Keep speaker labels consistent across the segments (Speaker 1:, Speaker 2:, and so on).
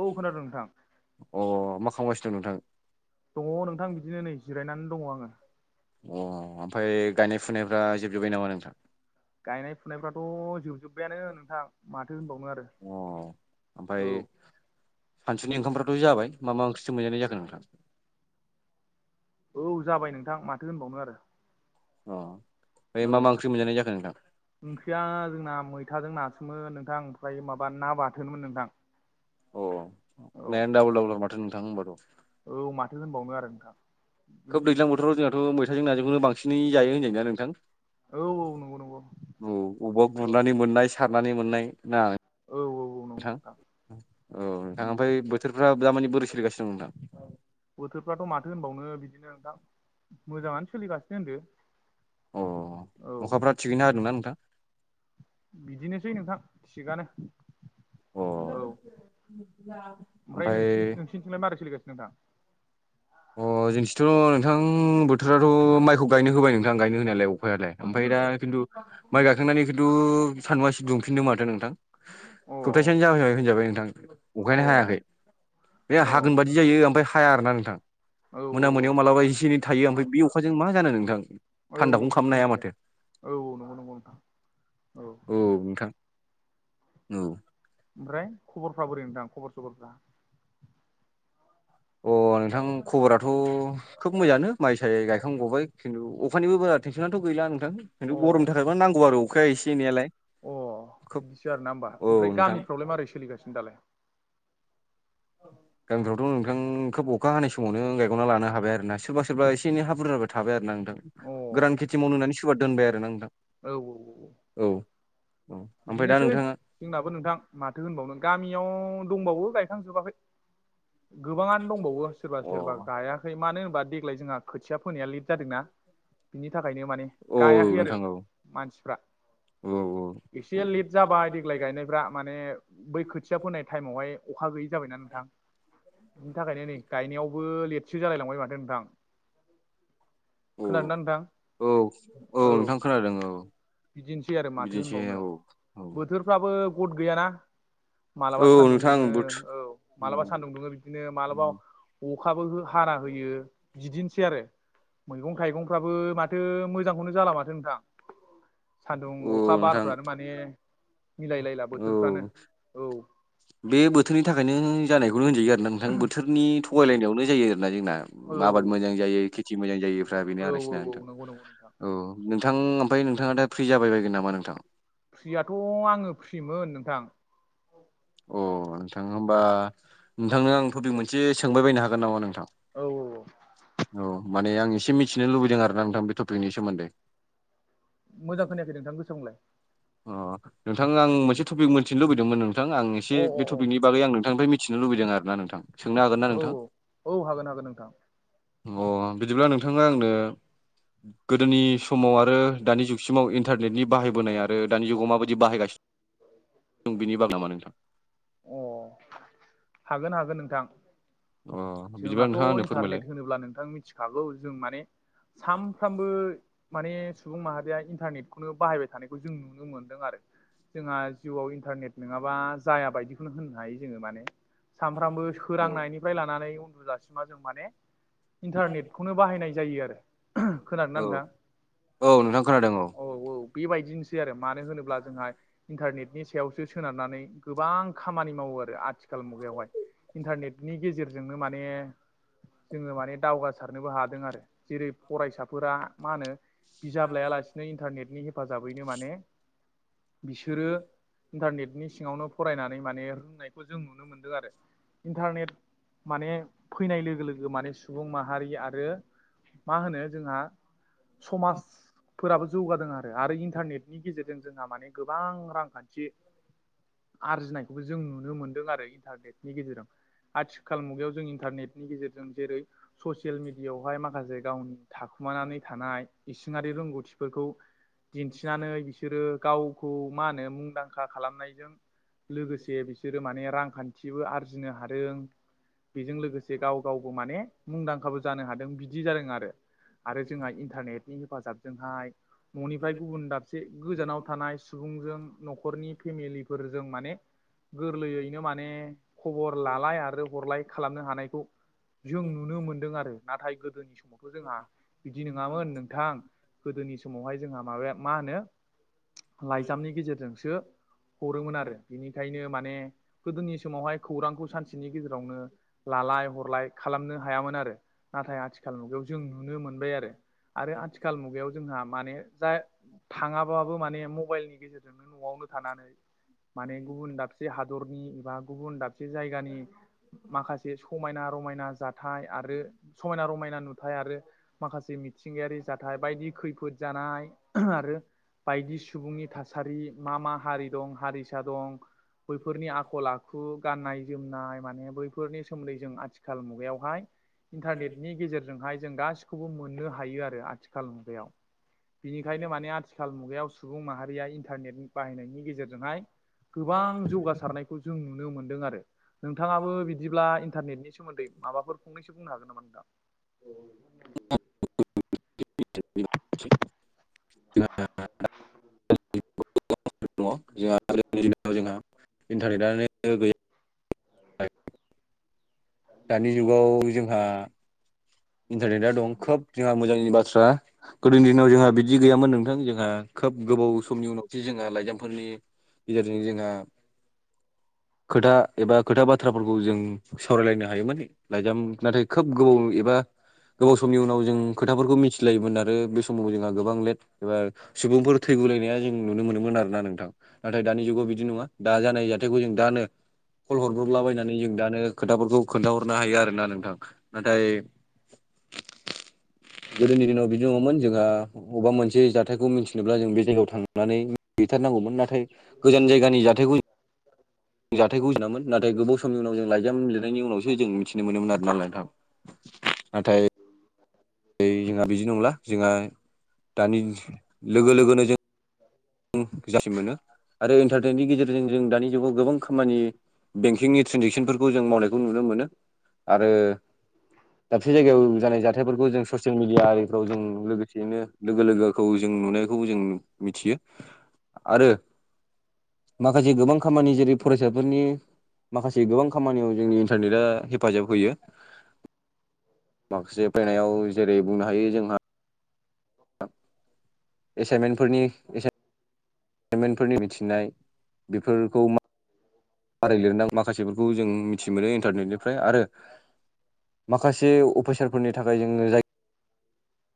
Speaker 1: औ खोनादों नोंथां।
Speaker 2: अ मा खालामगासिनो दं नोंथां?
Speaker 1: दंङ नोंथां बिदिनो नै जिरायनानै दंङ आंङो।
Speaker 2: अ ओमफ्राय गायनाय-फुनायफ्रा जोबजोब्बाय नामा नोंथां?
Speaker 1: गायनाय फुनायफ्राथ' जोबजोब्बायानो नोंथां माथो होनबावनो आरो। औ
Speaker 2: ओमफाय सानसुनि ओंखामफ्राथ' जाबाय मा मा ओंख्रिजों मोनजानाय जाखो नोंथां?
Speaker 1: औ जाबाय नोंथां माथो होनबावनो आरो।
Speaker 2: अ ओमफ्राय
Speaker 1: औ
Speaker 2: मा मा ओंख्रि मोनजानाय जाखोन नोंथां?
Speaker 1: ओंख्रिया जोंना मैथाजों नासोमोन नोंथां ओमफ्राय माबा ना बाथोनमोन नोंथां।
Speaker 2: अ
Speaker 1: औ
Speaker 2: नायानो दाबुल दाबुल माथो नोंथां होबाथ'।
Speaker 1: औ माथो होनबावनो आरो नोंथां।
Speaker 2: खोब
Speaker 1: बिदिनोसै
Speaker 2: दैज्लां बोथोराव जोंहाथ' मैथाजों नाजोंखौनो बांसिनै जायो होनजायो ना नोंथां?
Speaker 1: औ औ नंगौ नंगौ
Speaker 2: औ अबावबा
Speaker 1: औ
Speaker 2: गुरनानै मोननाय सारनानै मोननाय ना
Speaker 1: औ औ नंगौ
Speaker 2: नोंथां
Speaker 1: नोंथां
Speaker 2: औ नोंथां ओमफाय बोथोरफ्रा दामानि बोरै सोलिगासिनो? औ नोंथां।
Speaker 1: बोथोरफ्राथ' माथो होनबावनो बिदिनो नोंथां मोजाङानो सोलिगासिनो होनदो।
Speaker 2: अ
Speaker 1: औ
Speaker 2: अखाफ्रा थिगैनो हादोंना नोंथां?
Speaker 1: बिदिनोसै नोंथां थिगानो।
Speaker 2: अ
Speaker 1: औ ओमफ्राय
Speaker 2: ओमफ्राय
Speaker 1: नोसि नोंसिनिथिंलाय मारै सोलिगासिनो नोंथां?
Speaker 2: अ जोंथिथ' नोंथां बोथोराथ' माइखौ गायनो होबाय नोंथां गायनो होनायालाय औ। फोरलाय ओमफाय दा खिन्थु माइ गाखांनानै खिन्थु सानदुंआ इसि दुंफिनदों माथो नोंथां।
Speaker 1: अ
Speaker 2: सप्तासेयानो जाबाय होनजाबाय नोंथां।
Speaker 1: अ
Speaker 2: अखायानो हायाखै बे
Speaker 1: अ
Speaker 2: हागोन बादि जायो ओमफाय हाया आरो ना नोंथां।
Speaker 1: औ
Speaker 2: मोना मोनायाव मालाबा इसे एनै थायो ओमफ्राय बे अखाजों मा जानो नोंथां
Speaker 1: औ औ
Speaker 2: थान्दाखौनो
Speaker 1: बेबो
Speaker 2: खालामनो हाया
Speaker 1: मोनसे
Speaker 2: माथो।
Speaker 1: औ नंगौ नंगौ। नोंथां
Speaker 2: औ नोंथां औ।
Speaker 1: ओमफ्राय खबरफ्रा बोरै नोंथां खबर सबरफ्रा?
Speaker 2: अ नोंथां खबराथ' खोब मोजाङानो माइ साय गायखां गबाय। खिन्थु अखानिबो बारा थेनसनाथ' गैला नोंथां खिन्थु
Speaker 1: अ
Speaker 2: गरमनि थाखायबा नांगौ आरो अखाया एसे एनैआलाय।
Speaker 1: अ बिदिसो आरो ना होमबा ओमफ्राय
Speaker 2: नोंथां
Speaker 1: गामिफ्रावलाय मारै सोलिगासिनो दालाय?
Speaker 2: गामिफ्रावथ' नोंथां खोब अखा हानाय समावनो गायगना लानो हाबाय आरो। ना सोरबा सोरबा एसे इनै हा बुरजाफ्रा थाबाय आरो ना नोंथां।
Speaker 1: अ औ
Speaker 2: गोरान खेथि मावनो होननानै सोरबा दोनबाय आरो ना नोंथां
Speaker 1: औ
Speaker 2: औ। औ ओमफ्राय दा
Speaker 1: बिदिनोसै
Speaker 2: नोंथाङा
Speaker 1: जोंनाबो नोंथां माथो होनबावनो गामियाव दंबावो गायखांजोबाखै। गोबाङानो दंबावो सोरबा
Speaker 2: अ
Speaker 1: सोरबा गायाखै मानो होनबा देग्लाय जोंहा खोथिया फोनाया लेट जादोंना। बिनि थाखायनो माने
Speaker 2: औ
Speaker 1: गायाखै आरो
Speaker 2: नोंथां
Speaker 1: मानसिफ्रा
Speaker 2: औ औ।
Speaker 1: एसे लेट जाबाय देग्लाय गायनायफ्रा माने बै खोथिया फोनाय टाइमावहाय अखा गैयि जाबायना नोंथां बिनि थाखायनो नै गायनायावबो लेट सो जालायलांबाय माथो नोंथां
Speaker 2: औ
Speaker 1: खोनादों ना नोंथां?
Speaker 2: औ औ नोंथां खोनादों औ
Speaker 1: बिदिनोसै आरो माथो
Speaker 2: बिदिनोसै
Speaker 1: होनबावनो
Speaker 2: ओ औ।
Speaker 1: बोथोरफ्राबो गद गैयाना मालाबा
Speaker 2: औ
Speaker 1: सान्दुं
Speaker 2: नोंथां
Speaker 1: दुंङो
Speaker 2: बोथ
Speaker 1: औ मालाबा
Speaker 2: औ
Speaker 1: सान्दुं दुंङो बिदिनो मालाबा अखाबो हो हाना होयो बिदिनोसै आरो मैगं थाइगं फाबो माथो मोजांखौनो जाला माथो नोंथां सान्दुं, अखा, बार
Speaker 2: नोंथां
Speaker 1: माने मिलायलायला बोथोरफ्रानो
Speaker 2: औ
Speaker 1: औ।
Speaker 2: बे बोथोरनि थाखायनो जानायखौनो होनजायो आरो ना नोंथां बोथोरनि थगायलायनायावनो जायो आरोना जोंना।
Speaker 1: औ
Speaker 2: उम आबाद मोजां जायो खेथि मोजां जायिफ्रा
Speaker 1: औ
Speaker 2: बेनो आरो
Speaker 1: औ
Speaker 2: इसिना
Speaker 1: औ
Speaker 2: नोंथां
Speaker 1: नंगौ नंगौ नोंथां
Speaker 2: औ नोंथां ओमफाय नोंथाङा दा फ्रि जाबाय बायगोन नामा नोंथां?
Speaker 1: फ्रियाथ' आंङो फ्रिमोन नोंथां।
Speaker 2: अ नोंथां होमबा नोंथांनो आं थपिक मोनसे सोंबाय बायनो हागोन नामा नोंथां
Speaker 1: औ औ
Speaker 2: औ माने आं एसे मिथिनो लुबैदों आरोना नोंथां बे टपिकनि सोमोन्दै
Speaker 1: मोजां खोनायाखै नोंथां गोसा बुंलाय
Speaker 2: अ नोंथां आं मोनसे टपिक मोनथिनो लुबैदोंमोन नों नोंथां आं एसे
Speaker 1: अ अ
Speaker 2: बे
Speaker 1: अ
Speaker 2: टपिकनि बागै आं नोंथांनिफ्राय मिथिनो लुबैदों आरोना नोंथां सोंनो हागोन ना
Speaker 1: औ
Speaker 2: नोंथां
Speaker 1: औ हागोन हागोन नोंथां
Speaker 2: अह बिदिब्ला नोंथाङा आंनो गोदोनि समाव आरो दानि जुगसिमाव इन्टारनेटनि बाहायबोनाय आरो दानि जुगाव माबायदि बाहायगासि [unintelligible]
Speaker 1: अ हागोन हागोन नोंथां
Speaker 2: अ बिदिब्ला
Speaker 1: जोंहाथ'
Speaker 2: नोंथाङा आंनो फोरमायलाय
Speaker 1: इन्टारनेट होनोब्ला नोंथां मिथिखागौ जों माने सानफ्रोमबो माने सुबुं माहारिया इन्टारनेटखौनो बाहायबाय थानायखौ जों नुनो मोनदों आरो जोंहा जिउआव इन्टारनेट नङाबा जाया बायदिखौनो होननो हायो जोङो माने सानफ्रामबो
Speaker 2: औ
Speaker 1: सोरांनायनिफ्राय लानानै उन्दुजासिमा जों माने इन्टारनेटखौनो बाहायनाय जायो आरो
Speaker 2: औ
Speaker 1: खोनादोंना नोंथां
Speaker 2: औ नोंथां खोनादों औ
Speaker 1: बेबायदिनोसै आरो मानो होनोब्ला जोंहा इन्टारनेटनि सायावसो सोनारनानै गोबां खामानि मावो आरो आथिखाल मुगायावहाय इन्टारनेटनि गेजेरजोंनो माने जोङो माने दावगासारनोबो हादों आरो जेरै फरायसाफोरा मा होनो बिजाब लायालासिनो इन्टारनेटनि हेफाजाबैनो माने बिसोरो इन्टारनेटनि सिङावनो फरायनानै माने रोंनायखौ जों नुनो मोन्दों आरो इन्टारनेट माने फैनाय लोगो लोगो माने सुबुं माहारि आरो मा होनो जोंहा समाजफोराबो जौगादों आ रो इन्टारनेटनि गेजेरजों जोंहा माने गोबां रांखान्थि आरजिनायखौबो जों नुनो मोन्दों आरो इन्टारनेटनि गेजेरजों आथिखाल मुगायाव जों इन्टारनेटनि गेजेरजों जेरै ससियेल मिडियाआवहाय माखासे गावनि थाखुमानानै थानाय इसिङारि रोंगौथिफोरखौ दिन्थिनानै बिसोरो गावखौ मा होनो मुंदां खा खालामनायजों लोगोसे बिसोरो माने रांखान्थिबो आरजिनो हा दों बेजों लोगोसे गाव गावबो माने मुंदांखाबो जानो हादों बिदि जादों आरो आरो जोंहा इन्टारनेटनि हेफाजाबजोंहाय न'निफ्राय गुबुन दाब जे गोजानाव थानाय सुबुंजों न'खरनि फेमिलिफोरजों माने गोरलैयैनो माने खबर आय आरो हरलाय खालामनो हानायखौ जों नुनो मोनदों आरो। नाथाय गोदोनि समाव थ' जोंहा बिदि नोङामोन नोंथां। गोदोनि समावहाय जोंहा माबाया मा होनो लाइजामनि गेजेरजोंसो हरोमोन आरो। बिनिखायनो माने गोदोनि समावहाय खौरांखौ सानसेनि गेजेरावनो लालाय हरलाय खालामनो हायामोन आरो। नाथाय आथिखाल मुगायाव जों नुनो मोनबाय आरो। आरो आथिखाल मुगायाव जोंहा माने जाय थाङाबाबो माने मबाइलनि गेजेरजों जोंनो न'आवनो थानानै माने गुबन दाबसे हादरनि एबा गुबन दाबसे जायगानि माखासे समायना रमायना जाथाय आरो समायना रमायना नुथाय आरो माखासे मिथिंगायारि जाथाय बायदि खैफोद जानाय आरो बायदि सुबुंनि थासारि मा मा हारि दं हारिसा दं बैफोरनि आखल आ खु गाननाय जोमनाय माने बैफोरनि सोमोन्दै जों आथिखाल मुगायावहाय इन्टारनेटनि गेजेरजोंहाय जों गासिखौबो मोननो हायो आरो आथिखाल मुगायाव। बिनिखायनो माने आथिखाल मुगायाव सुबुं माहारिया इन्टारनेटनि बाहायनायनि गेजेरजोंहाय गोबां जौगासारनायखौ जों नुनो मोनदों आरो। नोंथाङाबो बिदिब्ला इन्टारनेटनि सोमोन्दै माबाफोर फंनैसो बुंनो हागोन नामा नोंथा?
Speaker 2: [unintelligible] [unintelligible] [unintelligible] जोंहा इन्टारनेटनो गैया [unintelligible] दानि जुगाव जोंहा इन्टारनेटआ दं खोब जोंहा मोजांनि बाथ्रा। गोदोनि दिनाव जोंहा बिदि गैयामोन नोंथां जोंहा खोब गोबाव समनि उनावसो जोंहा लाइजामफोरनि गेजेरजों जोंहा खोथा एबा खोथा बाथ्राफोरखौ जों सावरायलायनो हायोमोन। लाइजाम नाथाय खोब गोबौ एबा गोबाव समनि उनाव जों खोथाफोरखौ मिथिलायोमोन आरो बे समाव जोंहा गोबां लेट एबा सुबुंफोर थैगुलायनाया जों नुनो मोनोमोन आरोना नोंथां। नाथाय दानि जुगाव बिदि नङा। दा जानाय जाथायखौ जों दानो कल हरब्रबलाबायनानै जों दानो खोथाफोरखौ खोन्थाहरनो हायो आरोना नोंथां। नाथाय गोदोनि दिनाव बिदि नङामोन जोंहा अबबा मोनसे जाथायखौ मिथिनोब्ला जों बे जायगायाव थांनानै हैथारनांगौमोन। नाथाय गोजान जायगानि जाथायखौ [inaudible] जाथायखौ गुजोनामोन। नाथाय गोबाव सम थामनि उनाव जों लाइजाम लिरनायनि उनावसो जों मिथिनो मोनोमोन आरोना नोंथां। नाथाय ओइ जोंहा बिदि नंला। जोंहा दानि लोगो लोगोनो जों ओं जासि मोनो। आरो इन्टारटेन्टनि गेजेरजों जों दानि जुगाव गोबां खामानि बेंकिंनि ट्रेनजेकसनफोरखौ जों मावनायखौ नुनो मोनो। आरो दाबसे जायगायाव जानाय जाथायफोरखौ जों ससियेल मिडिया आरिफ्राव जों लोगोसेयैनो लोगो लोगोखौ जों नुनायखौ जों मिथियो। आरो माखासे गोबां खामानि जेरै फरायसाफोरनि माखासे गोबां खामानियाव जोंनि इन्टारनेटआ हेफाजाब होयो। माखासे फैनायाव जेरै बुंनो हायो जोंहा
Speaker 1: [unintelligible]
Speaker 2: एसाइनमेनफोरनि इसे पेमेनफोरनि मिथिनाय बेफोरखौ मा फारि लिरनां माखासेफोरखौ जों मिथि मोनो इन्टारनेटनिफ्राय। आरो माखासे अफिसारफोरनि थाखाय जोङो जाय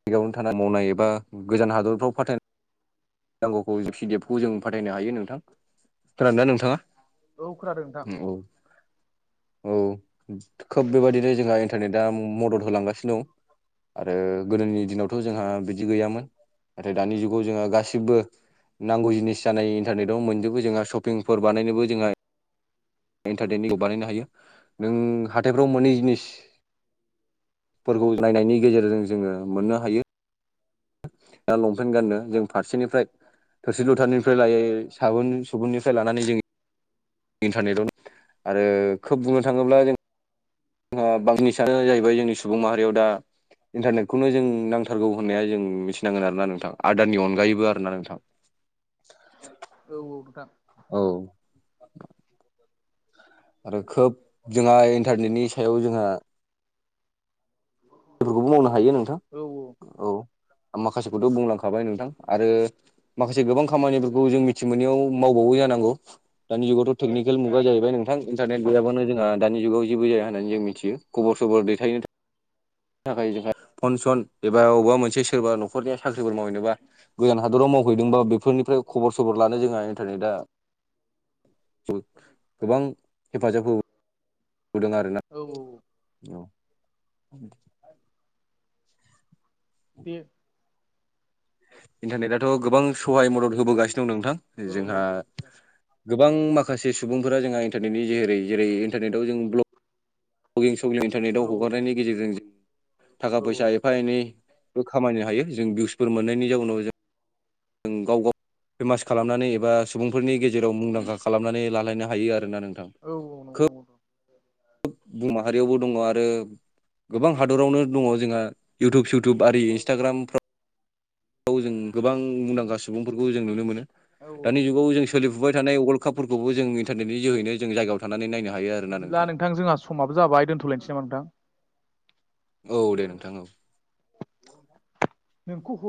Speaker 2: बिगाबावनो थाना मावनाय एबा गोजान हादरफ्राव फाथायनाय नांगौखौ पिडि एफ खौ जों फाथायनो हायो नोंथां। खोनादोंना नोंथाङा?
Speaker 1: औ खोनादों नोंथां
Speaker 2: उम ओ औ। औ दि खोब बेबायदिनो जोंहा इन्टारनेटआ म-मदद होलांगासिनो दं। आरो गोदोनि दिनावथ' जोंहा बिदि गैयामोन। नाथाय दानि जुगाव जोंहा गासिबो गेबो नांगौ जिनिस जानाय इन्टारनेटाव मोनजोबो जोंहा सपिंफोर बानायनोबो जोंहा इन्टारटेटनिखौ बानायनो हायो। नों हाथाइफ्राव मानि जिनिस फोरखौ नायनायनि गेजेरजों जोङो मोननो हायो। दा लंपेन्ट गाननो जों फारसेनिफ्राय थोरसि लथानिफ्राय लायै साबोन-सुबुननिफ्राय लानानै जों इन्टारनेटआवनो आरो खोब बुंनो थाङोब्ला जों बांननि सानानो जाहैबाय‌ जोंनि सुबुं माहारियाव दा इन्टारनेटखौनो जों नांथारगौ होननाया जों मिथिनांगोन आर ना नोंथां आदारानि अनगायैबो आरोना नोंथां। [inaudible]
Speaker 1: औ औ खोथा।
Speaker 2: औ। आरो खोब जोंहा इन्टारनेटनि सायाव जोंहा बेफोरखौबो मावनो हायो
Speaker 1: औ
Speaker 2: नोंथां औ माखासेखौथ' बुंलांखाबाय नोंथां आरो माखासे गोबां खामानिफोरखौ जों मिथि मोनैयाव मावबावो जानांगौ। दानि जुगाथ' तेकनिकेल मुगा जाहैबाय नोंथां। इन्टनेट गैयाबानो जोंहा दानि जुगाव जेबो जाया होननानै जों मिथियो। खबर सबर दैथायनो थाखाय जोंहा पनसन एबा अबेबा मोनसे सोरबा न'खरनिया साख्रिफोर मावहैदोंबा गोजान हादराव मावहैदोंबा बेफोरनिफ्राय खबर सबर लानो रोंङा इन्टारनेटआ गोबां हेफाजाब हो गुदुं आरोना
Speaker 1: औ औ।
Speaker 2: औ।
Speaker 1: बियो
Speaker 2: इन्टारनेट आथ' गोबां सहाय मदद होबोगासिनो दं नोंथां
Speaker 1: औ
Speaker 2: जोंहा गोबां माखासे सुबुंफोरा जोंहा इन्टारनेटनि जहेरै जेरै इन्टारनेटाव जों ब्लक भ्लगिं सग्लिं इन्टारनेटआव
Speaker 1: औ
Speaker 2: हगारनायनि गेजेरजों जों थाखा फैसा
Speaker 1: औ औ
Speaker 2: एफा एनै बो खामायनो हायो जों भिउसफोर मोननायनि जाउनाव जों जों गाव गाव फेमास खालामनानै एबा सुबुंफोरनि गेजेराव मुंदांखा खालामनानै लालायनो हायो आरोना नोंथां।
Speaker 1: औ औ गरम बन्द
Speaker 2: माहारियावबो दंङ आरो गोबां हादरावनो दंङ जोंहा इउटुब इउथुब आरो इन्सटाग्रामफो आव जों गोबां मुंदांखा सुबुंफोरखौ जों नुनो मोनो।
Speaker 1: औ
Speaker 2: दानि जुगाव जों सोलिफुबाय थानाय अगलकापुर खौबो जों इन्टारनेटनि जोैनो जों जायगायाव थांनानै नायनो हायो आरो।
Speaker 1: बिदिब्ला नोंथां जोंहा समाबो जाबाय दोनथलायनिसै नामा नोंथां।
Speaker 2: औ दे नोंथां औ
Speaker 1: नोंखौ हु